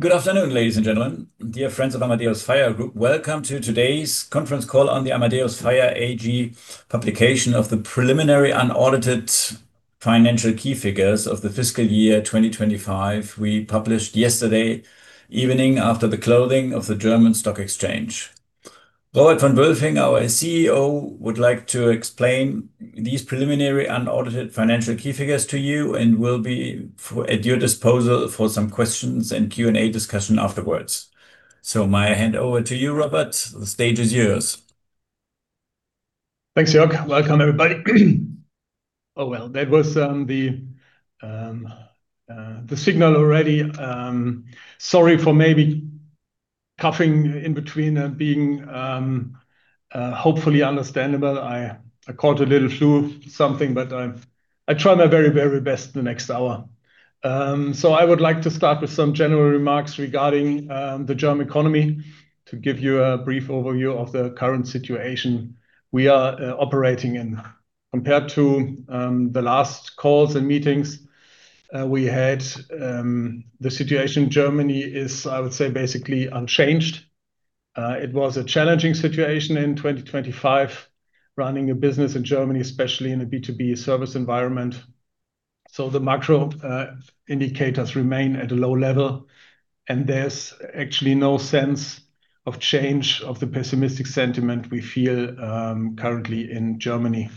Good afternoon, ladies and gentlemen, dear friends of Amadeus FiRe Group. Welcome to today's conference call on the Amadeus FiRe AG publication of the preliminary unaudited financial key figures of the fiscal year 2025 we published yesterday evening after the closing of the German Stock Exchange. Robert von Wülfing, our CEO, would like to explain these preliminary unaudited financial key figures to you and will be at your disposal for some questions and Q&A discussion afterwards. So I hand over to you, Robert. The stage is yours. Thanks, Jörg. Welcome, everybody. Oh, well, that was the signal already. Sorry for maybe coughing in between and being hopefully understandable. I caught a little flu, something, but I try my very, very best in the next hour. So I would like to start with some general remarks regarding the German economy to give you a brief overview of the current situation we are operating in. Compared to the last calls and meetings we had, the situation in Germany is, I would say, basically unchanged. It was a challenging situation in 2025, running a business in Germany, especially in a B2B service environment. So the macro indicators remain at a low level, and there's actually no sense of change of the pessimistic sentiment we feel currently in Germany.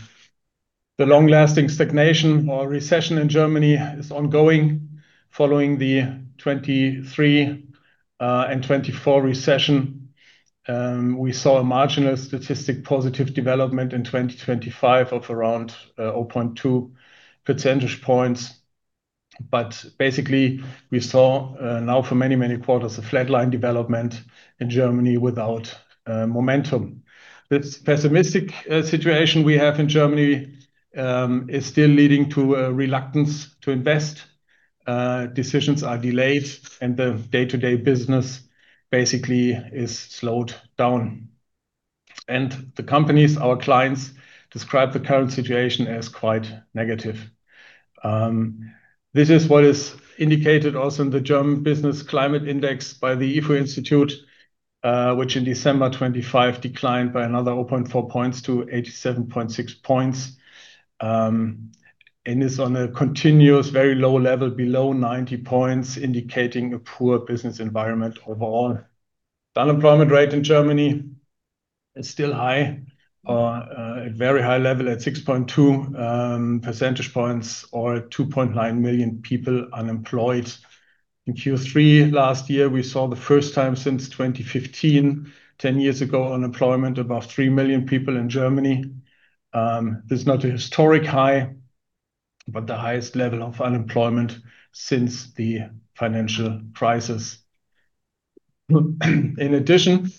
The long-lasting stagnation or recession in Germany is ongoing, following the 2023 and 2024 recession. We saw a marginal statistic positive development in 2025 of around 0.2 percentage points. But basically, we saw now for many, many quarters, a flatline development in Germany without momentum. This pessimistic situation we have in Germany is still leading to a reluctance to invest. Decisions are delayed, and the day-to-day business basically is slowed down. And the companies, our clients, describe the current situation as quite negative. This is what is indicated also in the German Business Climate Index by the ifo Institute, which in December 2025 declined by another 0.4 points to 87.6 points, and is on a continuous, very low level below 90 points, indicating a poor business environment overall. The unemployment rate in Germany is still high at very high level, at 6.2 percentage points, or 2.9 million people unemployed. In Q3 last year, we saw the first time since 2015, 10 years ago, unemployment above 3 million people in Germany. This is not a historic high, but the highest level of unemployment since the financial crisis. In addition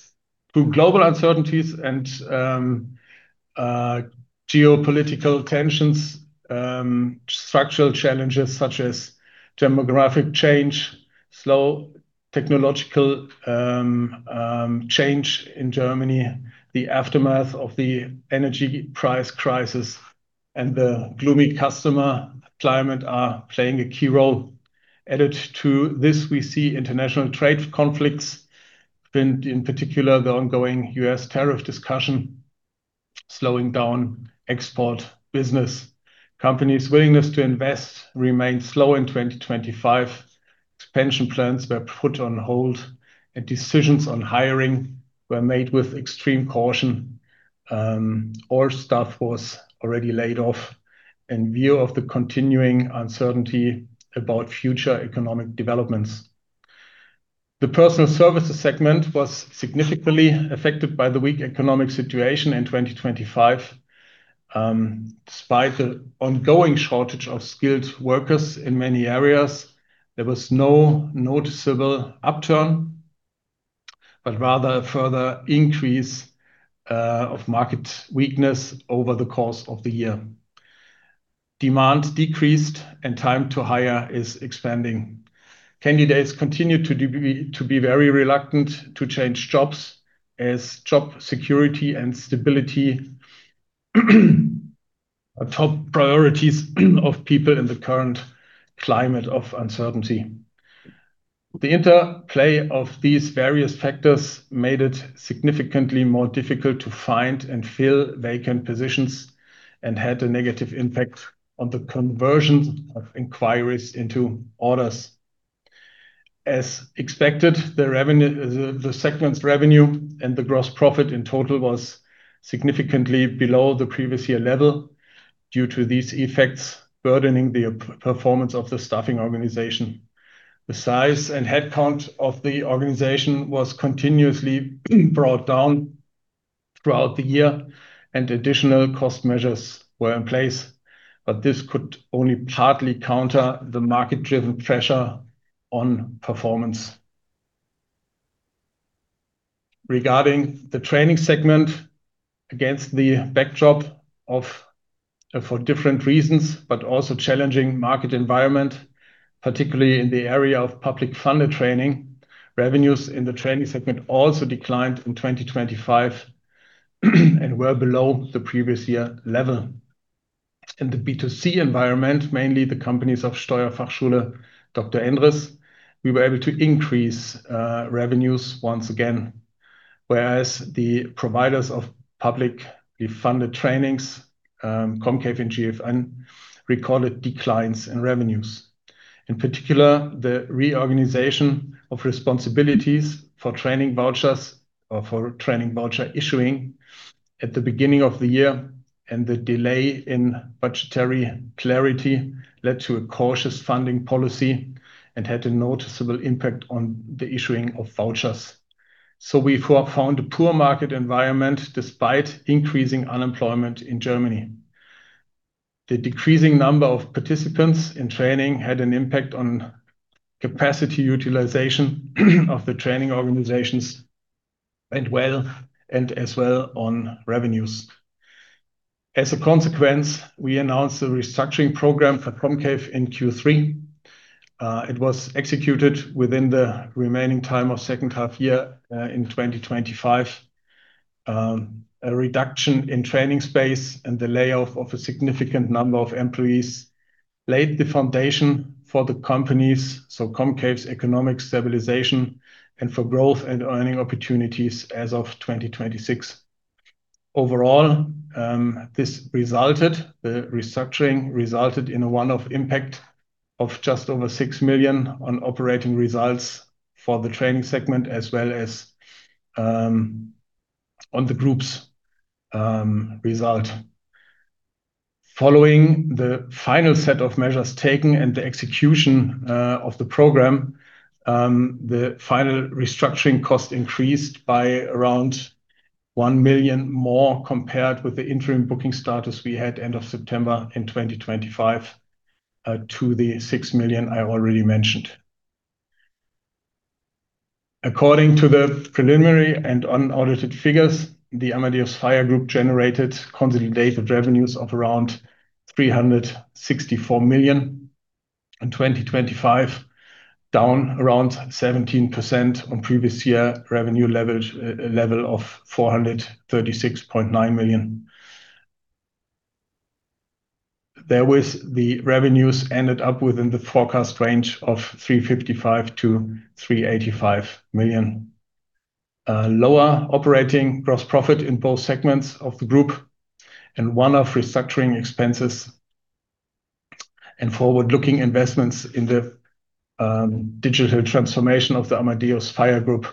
to global uncertainties and geopolitical tensions, structural challenges such as demographic change, slow technological change in Germany, the aftermath of the energy price crisis, and the gloomy customer climate are playing a key role. Added to this, we see international trade conflicts, and in particular, the ongoing U.S. tariff discussion, slowing down export business. Companies' willingness to invest remained slow in 2025. Expansion plans were put on hold, and decisions on hiring were made with extreme caution. All staff was already laid off in view of the continuing uncertainty about future economic developments. The Personnel Services segment was significantly affected by the weak economic situation in 2025. Despite the ongoing shortage of skilled workers in many areas, there was no noticeable upturn, but rather a further increase of market weakness over the course of the year. Demand decreased, and time to hire is expanding. Candidates continued to be very reluctant to change jobs, as job security and stability are top priorities of people in the current climate of uncertainty. The interplay of these various factors made it significantly more difficult to find and fill vacant positions and had a negative impact on the conversion of inquiries into orders. As expected, the segment's revenue and the gross profit in total was significantly below the previous year level due to these effects burdening the performance of the staffing organization. The size and headcount of the organization was continuously brought down throughout the year, and additional cost measures were in place, but this could only partly counter the market-driven pressure on performance. Regarding the Training segment, against the backdrop of, for different reasons, but also challenging market environment, particularly in the area of public funded training, revenues in the Training segment also declined in 2025 and were below the previous year level. In the B2C environment, mainly the companies of Steuerfachschule Dr. Endriss, we were able to increase revenues once again. Whereas the providers of publicly funded trainings, COMCAVE and GFN, recorded declines in revenues. In particular, the reorganization of responsibilities for training vouchers or for training voucher issuing at the beginning of the year, and the delay in budgetary clarity led to a cautious funding policy and had a noticeable impact on the issuing of vouchers. So we found a poor market environment despite increasing unemployment in Germany. The decreasing number of participants in training had an impact on capacity utilization of the training organizations and well, and as well on revenues. As a consequence, we announced a restructuring program for COMCAVE in Q3. It was executed within the remaining time of second half year in 2025. A reduction in training space and the layoff of a significant number of employees laid the foundation for the company's, so COMCAVE's economic stabilization and for growth and earning opportunities as of 2026. Overall, the restructuring resulted in a one-off impact of just over 6 million on operating results for the Training segment, as well as on the group's result. Following the final set of measures taken and the execution of the program, the final restructuring cost increased by around 1 million more compared with the interim booking status we had end of September in 2025 to the 6 million I already mentioned. According to the preliminary and unaudited figures, the Amadeus FiRe Group generated consolidated revenues of around 364 million in 2025, down around 17% on previous year revenue level of 436.9 million. Therewith, the revenues ended up within the forecast range of 355 million-385 million. Lower operating gross profit in both segments of the group and one-off restructuring expenses, and forward-looking investments in the digital transformation of the Amadeus FiRe Group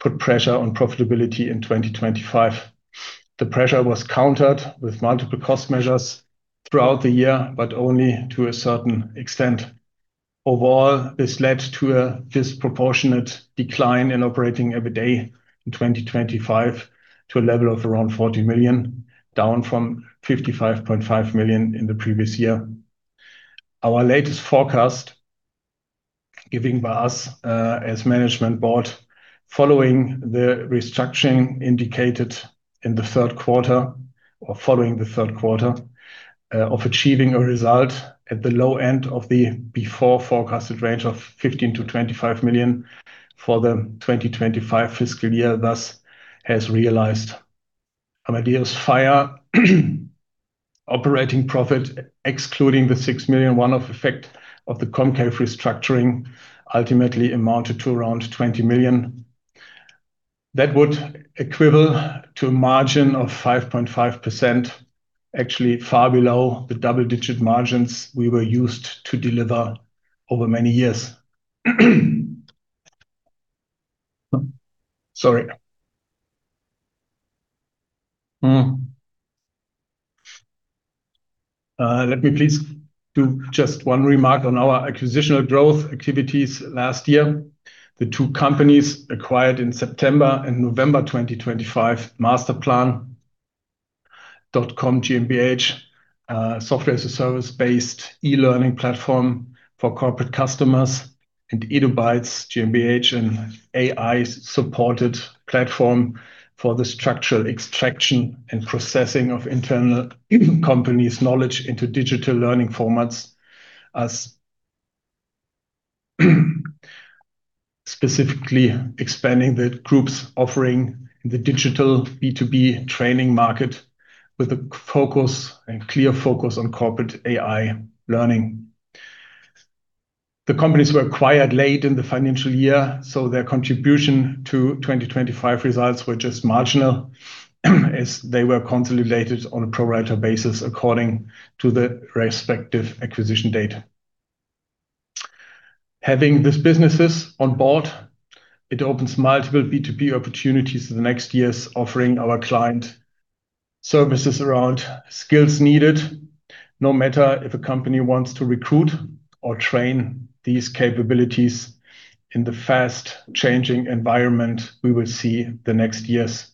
put pressure on profitability in 2025. The pressure was countered with multiple cost measures throughout the year, but only to a certain extent. Overall, this led to a disproportionate decline in operating EBITDA in 2025 to a level of around 40 million, down from 55.5 million in the previous year. Our latest forecast, given by us, as management board, following the restructuring indicated in the Q3 or following the Q3, of achieving a result at the low end of the before forecasted range of 15-25 million for the 2025 fiscal year, thus has realized Amadeus FiRe operating profit, excluding the 6 million one-off effect of the COMCAVE restructuring, ultimately amounted to around 20 million. That would equivalent to a margin of 5.5%, actually far below the double-digit margins we were used to deliver over many years. Sorry. Let me please do just one remark on our acquisitional growth activities last year. The two companies acquired in September and November 2025, Masterplan.com GmbH, software as a service-based e-learning platform for corporate customers, and Edubites GmbH, an AI-supported platform for the structural extraction and processing of internal company's knowledge into digital learning formats. As specifically expanding the group's offering in the digital B2B training market with a focus, a clear focus on corporate AI learning. The companies were acquired late in the financial year, so their contribution to 2025 results were just marginal, as they were consolidated on a pro rata basis according to the respective acquisition date. Having these businesses on board, it opens multiple B2B opportunities in the next years, offering our client services around skills needed, no matter if a company wants to recruit or train these capabilities in the fast-changing environment we will see the next years.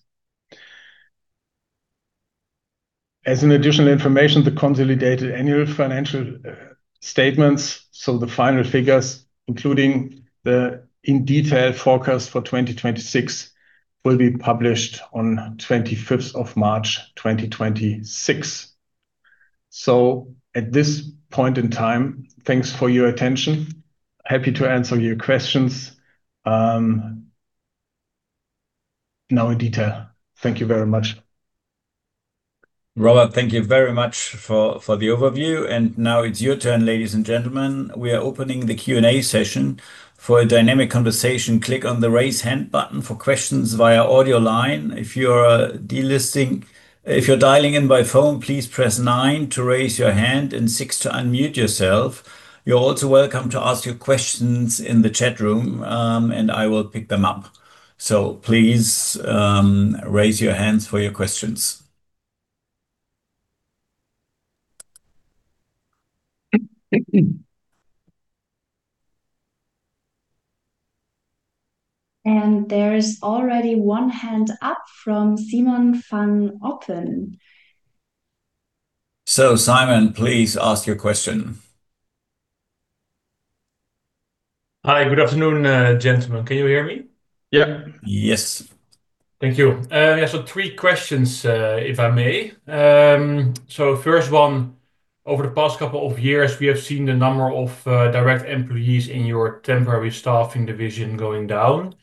As an additional information, the consolidated annual financial statements, so the final figures, including the in-detail forecast for 2026, will be published on March 25th, 2026. So at this point in time, thanks for your attention. Happy to answer your questions. Now in detail. Thank you very much. Robert, thank you very much for the overview, and now it's your turn, ladies and gentlemen. We are opening the Q&A session. For a dynamic conversation, click on the Raise Hand button. For questions via audio line, if you're dialing in by phone, please press nine to raise your hand and six to unmute yourself. You're also welcome to ask your questions in the chat room, and I will pick them up. So please raise your hands for your questions. There is already one hand up from Simon van Otten. So, Simon, please ask your question. Hi, good afternoon, gentlemen. Can you hear me? Yeah. Yes. Thank you. Yeah, so three questions, if I may. So first one: over the past couple of years, we have seen the number of direct employees in your temporary staffing division going down.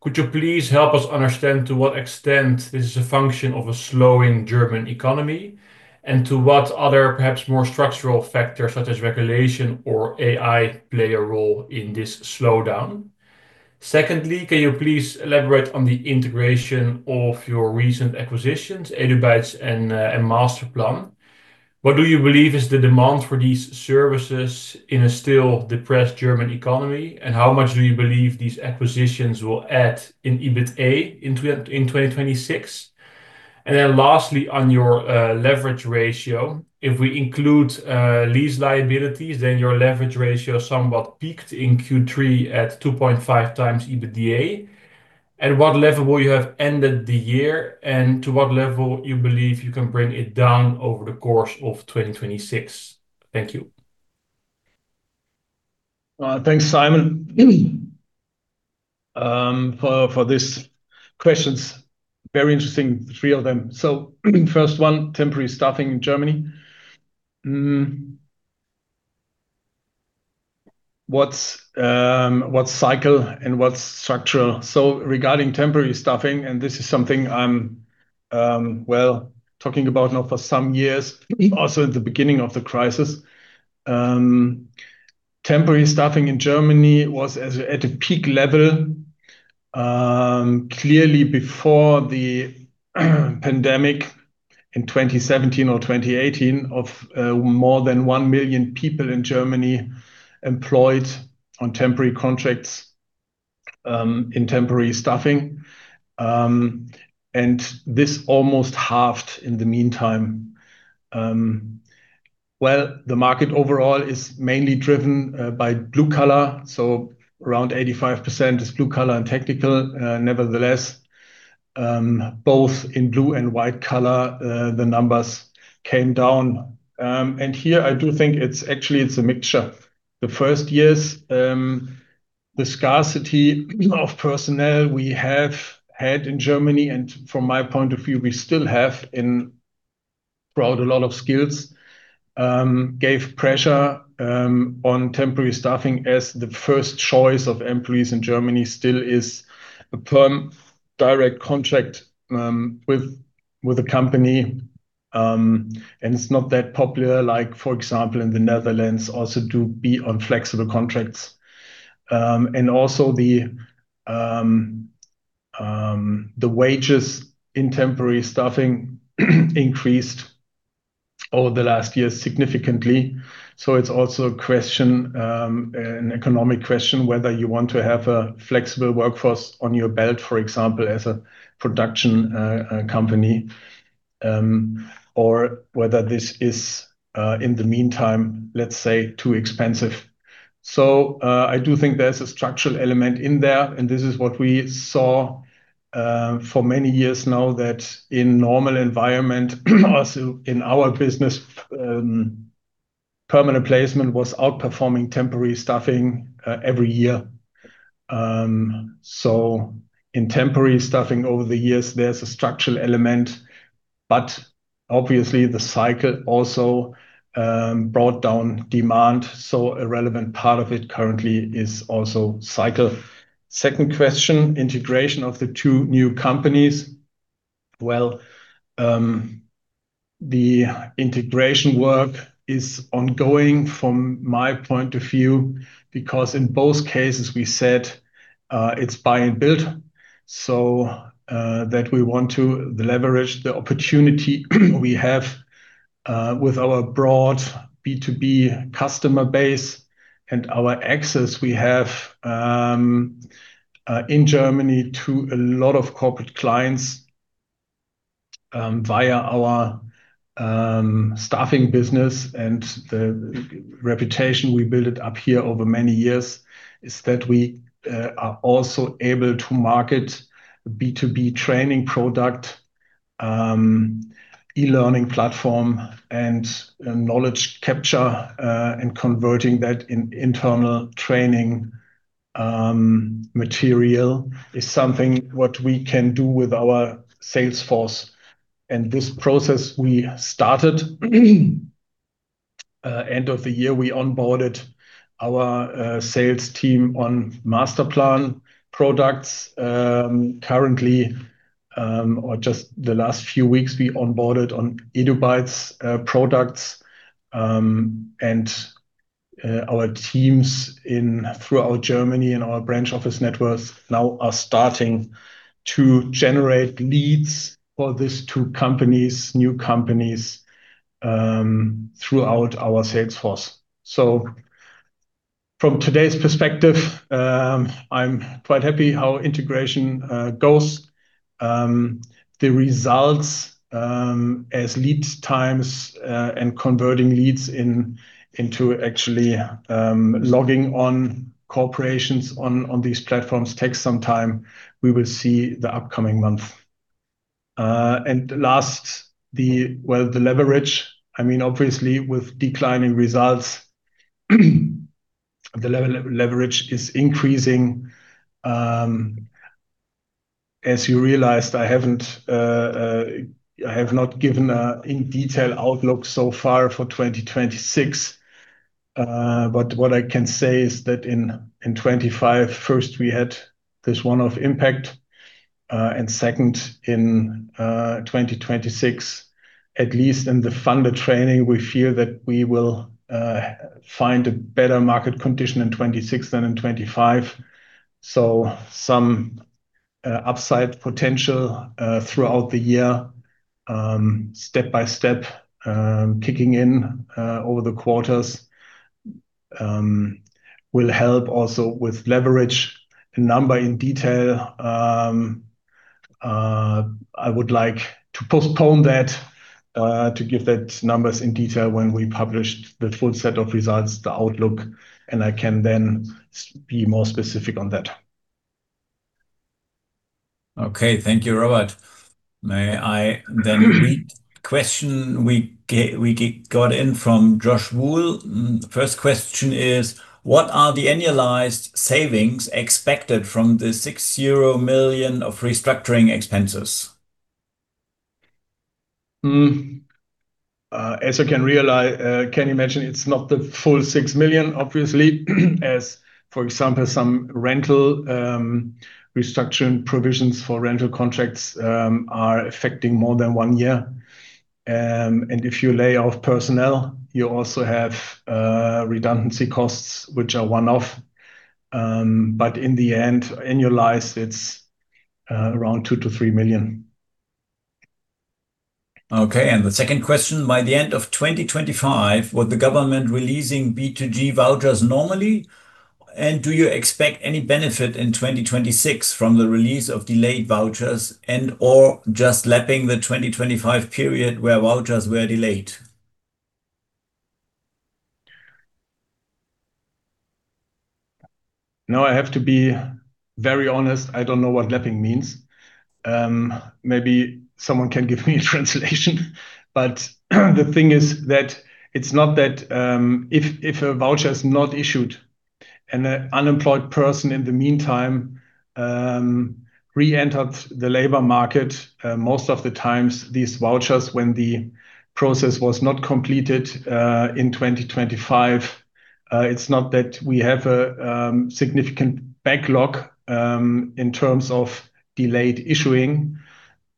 Could you please help us understand to what extent this is a function of a slowing German economy? And to what other, perhaps more structural factors, such as regulation or AI, play a role in this slowdown? Secondly, can you please elaborate on the integration of your recent acquisitions, Edubites and Masterplan? What do you believe is the demand for these services in a still depressed German economy, and how much do you believe these acquisitions will add in EBITDA in 2026? And then lastly, on your leverage ratio, if we include lease liabilities, then your leverage ratio somewhat peaked in Q3 at 2.5x EBITDA. At what level will you have ended the year, and to what level you believe you can bring it down over the course of 2026? Thank you. Thanks, Simon, for these questions. Very interesting, the three of them. So first one, temporary staffing in Germany. What's cycle and what's structural? So regarding temporary staffing, and this is something I'm, well, talking about now for some years, also at the beginning of the crisis. Temporary staffing in Germany was at a peak level clearly before the pandemic in 2017 or 2018, of more than 1 million people in Germany employed on temporary contracts in temporary staffing. And this almost halved in the meantime. Well, the market overall is mainly driven by blue collar, so around 85% is blue collar and technical. Nevertheless, both in blue and white collar, the numbers came down. And here I do think it's actually a mixture. The first years, the scarcity of personnel we have had in Germany, and from my point of view, we still have in broad a lot of skills, gave pressure on temporary staffing as the first choice of employees in Germany still is a perm direct contract with a company. It's not that popular, like, for example, in the Netherlands, also to be on flexible contracts. Also the wages in temporary staffing increased over the last years significantly. It's also a question, an economic question, whether you want to have a flexible workforce on your belt, for example, as a production company, or whether this is, in the meantime, let's say, too expensive. So, I do think there's a structural element in there, and this is what we saw, for many years now, that in normal environment, also in our business, permanent placement was outperforming temporary staffing, every year. So in temporary staffing over the years, there's a structural element, but obviously, the cycle also, brought down demand, so a relevant part of it currently is also cycle. Second question, integration of the two new companies. Well, the integration work is ongoing from my point of view, because in both cases we said, it's buy and build, so, that we want to leverage the opportunity we have, with our broad B2B customer base and our access we have, in Germany to a lot of corporate clients, via our staffing business. And the reputation we built it up here over many years is that we are also able to market B2B training product, e-learning platform, and knowledge capture and converting that in internal training material is something what we can do with our sales force. And this process we started end of the year, we onboarded our sales team on Masterplan products. Currently, or just the last few weeks, we onboarded on Edubites products. And our teams throughout Germany and our branch office networks now are starting to generate leads for these two companies, new companies, throughout our sales force. So from today's perspective, I'm quite happy how integration goes. The results, as lead times and converting leads into actually logging corporations on these platforms, takes some time. We will see the upcoming month. Well, the leverage, I mean, obviously, with declining results, the leverage is increasing. As you realized, I haven't, I have not given an in-detail outlook so far for 2026. But what I can say is that in 2025, first, we had this one-off impact, and second, in 2026, at least in the funded training, we feel that we will find a better market condition in 2026 than in 2025. So some upside potential throughout the year, step by step, kicking in over the quarters, will help also with leverage. A number in detail, I would like to postpone that to give that numbers in detail when we publish the full set of results, the outlook, and I can then be more specific on that. Okay. Thank you, Robert. May I then read the question we got in from Josh Wool? The first question is: What are the annualized savings expected from the 60 million euro of restructuring expenses? As you can imagine, it's not the full 6 million, obviously, as, for example, some rental restructuring provisions for rental contracts are affecting more than one year. And if you lay off personnel, you also have redundancy costs, which are one-off. But in the end, annualized, it's around 2 million-3 million. Okay, and the second question: By the end of 2025, were the government releasing B2G vouchers normally, and do you expect any benefit in 2026 from the release of delayed vouchers and/or just lapping the 2025 period where vouchers were delayed? Now, I have to be very honest, I don't know what lapping means. Maybe someone can give me a translation. But, the thing is that it's not that... If, if a voucher is not issued and the unemployed person in the meantime, re-entered the labor market, most of the times, these vouchers, when the process was not completed, in 2025, it's not that we have a significant backlog, in terms of delayed issuing,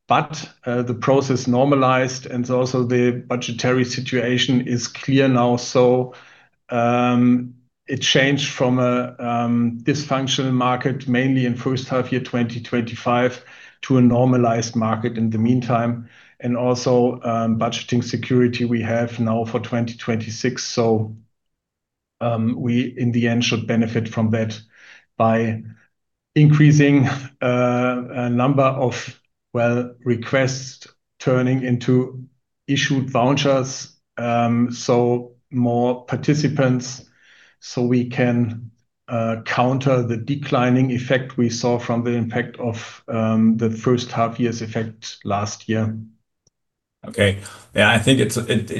but the process normalized and also the budgetary situation is clear now. So, it changed from a dysfunctional market, mainly in first half year 2025, to a normalized market in the meantime, and also, budgeting security we have now for 2026. So, in the end, we should benefit from that by increasing a number of, well, requests turning into issued vouchers, so more participants. So we can counter the declining effect we saw from the impact of the first half year's effect last year. Okay. Yeah, I think it's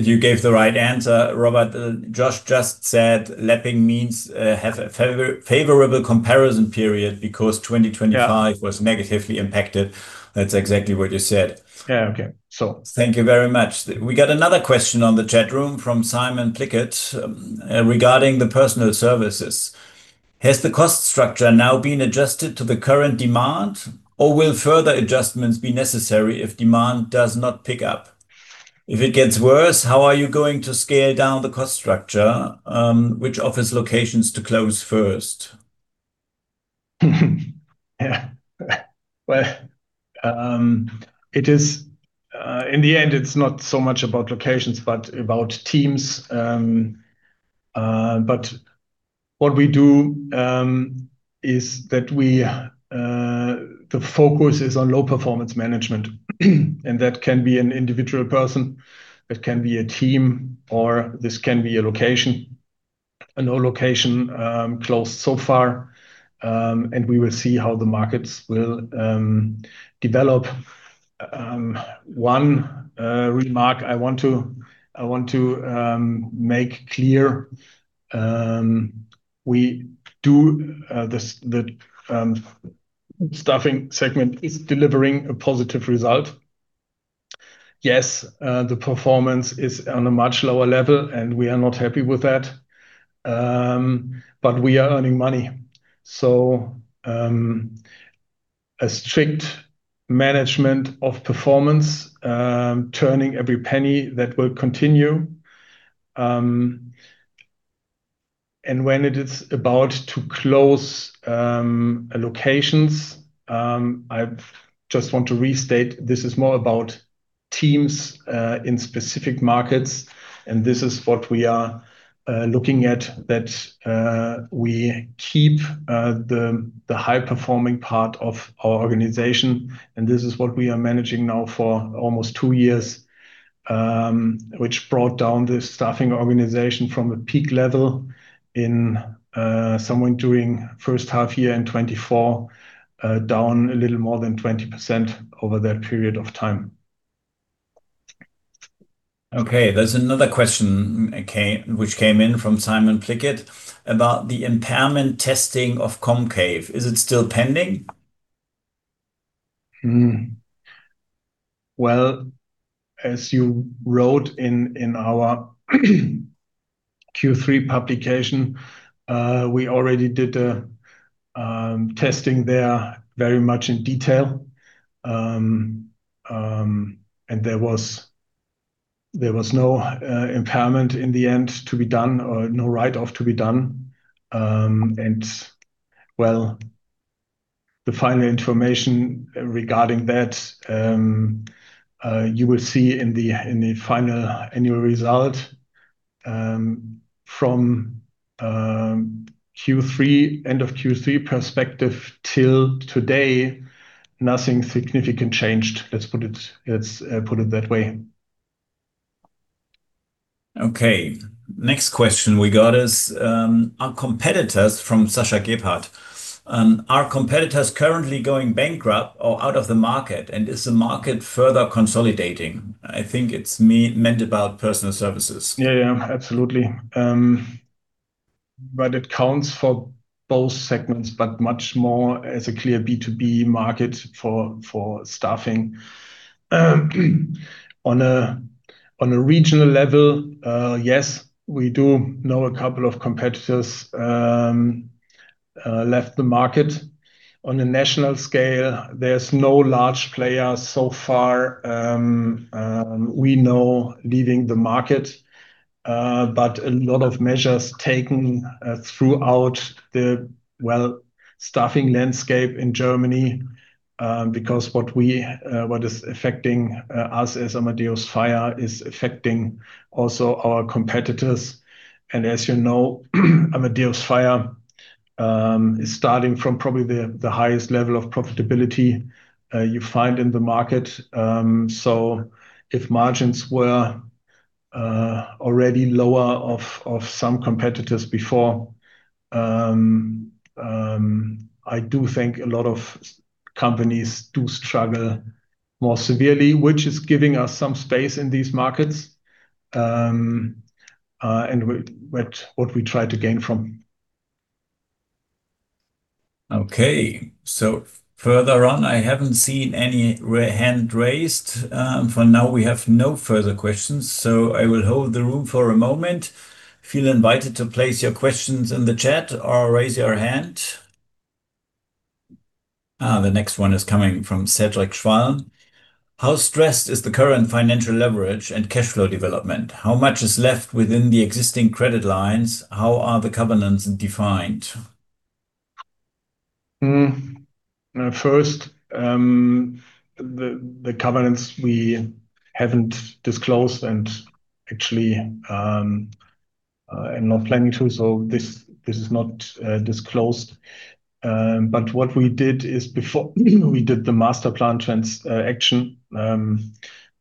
you gave the right answer, Robert. Josh just said lapping means have a favorable comparison period because 2025- Yeah... was negatively impacted. That's exactly what you said. Yeah. Okay. Thank you very much. We got another question on the chat room from Simon Pickett, regarding the Personnel Services. Has the cost structure now been adjusted to the current demand, or will further adjustments be necessary if demand does not pick up? If it gets worse, how are you going to scale down the cost structure? Which office locations to close first? Yeah. Well, it is, in the end, it's not so much about locations, but about teams. But what we do is that we--the focus is on low performance management, and that can be an individual person, it can be a team, or this can be a location. And no location closed so far, and we will see how the markets will develop. One remark I want to make clear, we do, the staffing segment is delivering a positive result. Yes, the performance is on a much lower level, and we are not happy with that. But we are earning money. So, a strict management of performance, turning every penny, that will continue. And when it is about to close locations, I just want to restate, this is more about teams in specific markets, and this is what we are looking at, that we keep the high-performing part of our organization, and this is what we are managing now for almost two years. Which brought down the staffing organization from a peak level in somewhere during first half year in 2024, down a little more than 20% over that period of time. Okay, there's another question, which came in from Simon Pickett about the impairment testing of COMCAVE. Is it still pending? Well, as you wrote in our Q3 publication, we already did a testing there very much in detail. And there was no impairment in the end to be done, or no write-off to be done. Well, the final information regarding that you will see in the final annual result. From Q3, end of Q3 perspective till today, nothing significant changed. Let's put it that way. Okay. Next question we got is: Are competitors... From Sasha Gebhardt. Are competitors currently going bankrupt or out of the market, and is the market further consolidating? I think it's meant about personnel services. Yeah, yeah, absolutely. But it counts for both segments, but much more as a clear B2B market for staffing. On a regional level, yes, we do know a couple of competitors left the market. On a national scale, there's no large players so far we know leaving the market. But a lot of measures taken throughout the, well, staffing landscape in Germany, because what is affecting us as Amadeus FiRe is affecting also our competitors. And as you know, Amadeus FiRe is starting from probably the highest level of profitability you find in the market. So if margins were already lower for some competitors before, I do think a lot of companies do struggle more severely, which is giving us some space in these markets, and what we try to gain from. Okay. So further on, I haven't seen any raised hand. For now, we have no further questions, so I will hold the room for a moment. Feel invited to place your questions in the chat or raise your hand. The next one is coming from Cedric Schwalm: How stressed is the current financial leverage and cash flow development? How much is left within the existing credit lines? How are the covenants defined? First, the covenants we haven't disclosed, and actually, I'm not planning to, so this is not disclosed. But what we did is before we did the Masterplan transaction,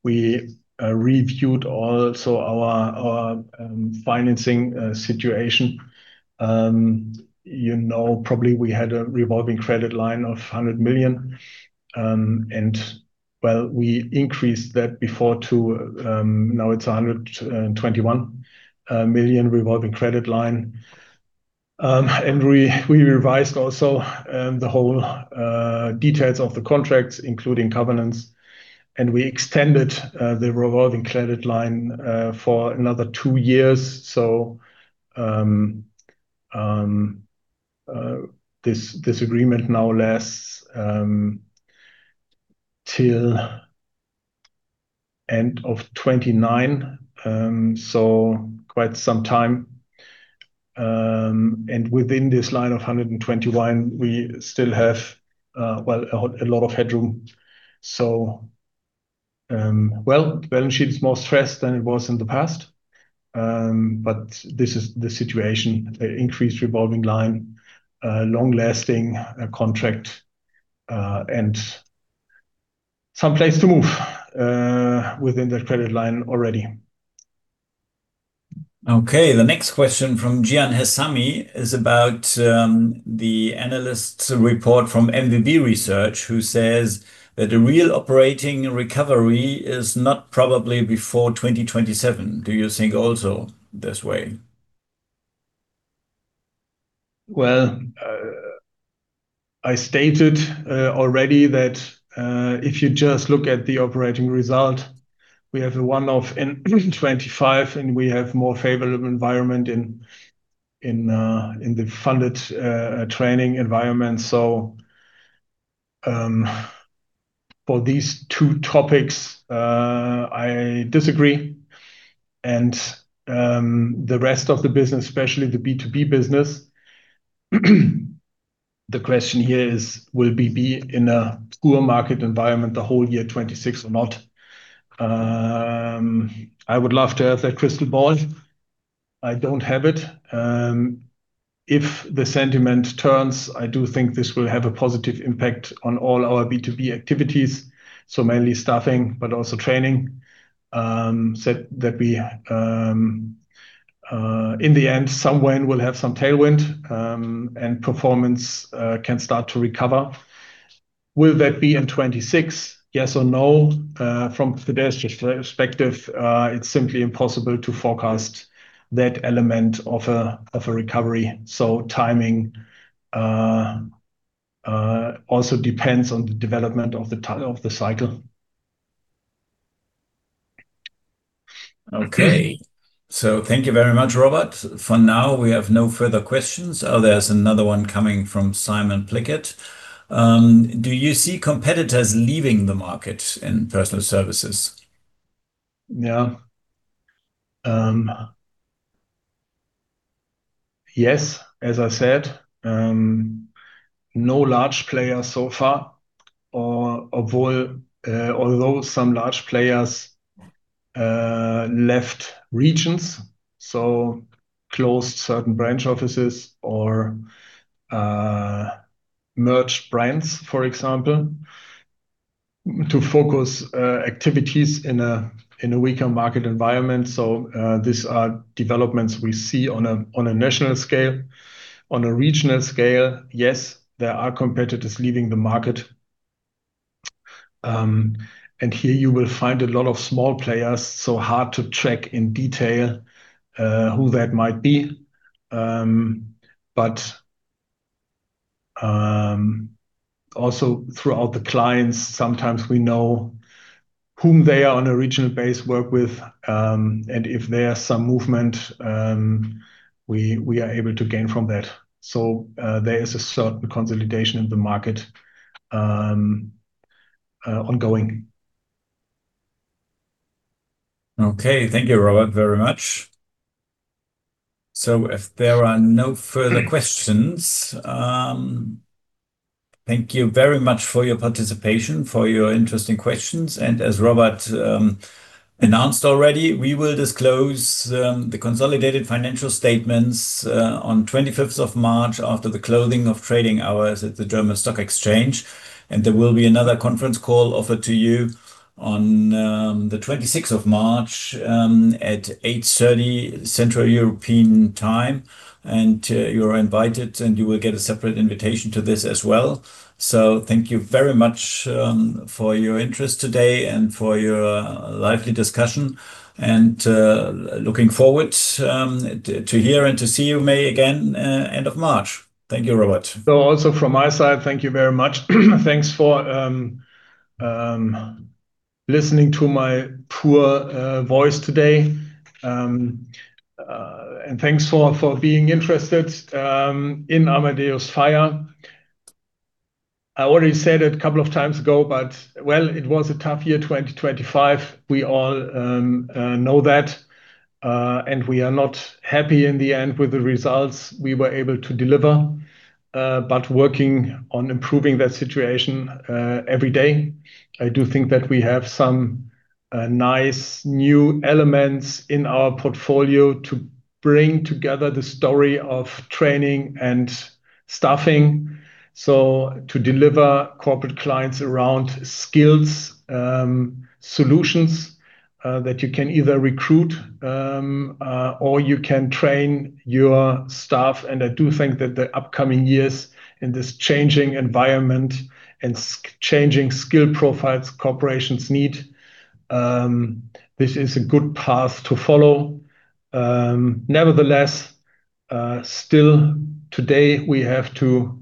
we reviewed also our financing situation. You know, probably we had a revolving credit line of 100 million. And, well, we increased that before to, now it's 121 million revolving credit line. And we revised also the whole details of the contracts, including covenants, and we extended the revolving credit line for another two years. So, this agreement now lasts till end of 2029. So quite some time. Within this line of 121, we still have, well, a lot, a lot of headroom. Well, the balance sheet is more stressed than it was in the past, but this is the situation: a increased revolving line, a long-lasting contract, and some place to move within that credit line already. Okay, the next question from Gian Hessami is about the analyst's report from MWB Research, who says that the real operating recovery is not probably before 2027. Do you think also this way? Well, I stated already that, if you just look at the operating result, we have a one-off in 2025, and we have more favorable environment in the funded training environment. So, for these two topics, I disagree. And, the rest of the business, especially the B2B business, the question here is, will B2B in a poor market environment the whole year 2026 or not? I would love to have that crystal ball. I don't have it. If the sentiment turns, I do think this will have a positive impact on all our B2B activities, so mainly staffing, but also training. Said that we, in the end, someone will have some tailwind, and performance can start to recover. Will that be in 2026, yes or no? From Fides' perspective, it's simply impossible to forecast that element of a recovery. So timing also depends on the development of the cycle. Okay. Thank you very much, Robert. For now, we have no further questions. Oh, there's another one coming from Simon Pickett. Do you see competitors leaving the market in personnel services? Yeah. Yes, as I said, no large players so far, although some large players left regions, so closed certain branch offices or merged brands, for example, to focus activities in a weaker market environment. So, these are developments we see on a national scale. On a regional scale, yes, there are competitors leaving the market. And here you will find a lot of small players, so hard to track in detail who that might be. But also throughout the clients, sometimes we know whom they are on a regional base work with, and if there are some movement, we are able to gain from that. So, there is a certain consolidation in the market, ongoing. Okay. Thank you, Robert, very much. So if there are no further questions, thank you very much for your participation, for your interesting questions. And as Robert announced already, we will disclose the consolidated financial statements on 25th of March, after the closing of trading hours at the German Stock Exchange. And there will be another conference call offered to you on the 26th of March at 8:30 Central European Time. And you are invited, and you will get a separate invitation to this as well. So thank you very much for your interest today and for your lively discussion, and looking forward to hear and to see you may again end of March. Thank you, Robert. So also from my side, thank you very much. Thanks for listening to my poor voice today. And thanks for being interested in Amadeus FiRe. I already said it a couple of times ago, but well, it was a tough year, 2025. We all know that, and we are not happy in the end with the results we were able to deliver, but working on improving that situation every day. I do think that we have some nice new elements in our portfolio to bring together the story of training and staffing. So to deliver corporate clients around skills solutions that you can either recruit or you can train your staff. I do think that the upcoming years in this changing environment and changing skill profiles corporations need, this is a good path to follow. Nevertheless, still today, we have to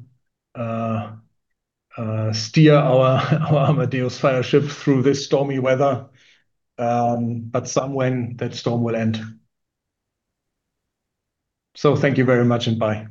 steer our Amadeus FiRe ship through this stormy weather, but some when that storm will end. So thank you very much, and bye.